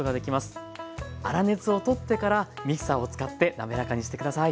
粗熱を取ってからミキサーを使って滑らかにして下さい。